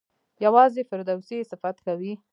یوازې فردوسي یې صفت کوي.